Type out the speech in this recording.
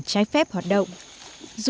trái phép hoạt động